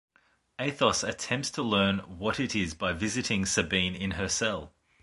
Athos attempts to learn what it is by visiting Sabine in her cell.